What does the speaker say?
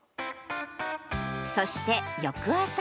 そして翌朝。